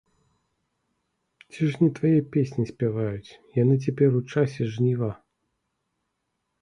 Ці ж не твае песні спяваюць яны цяпер, у часе жніва!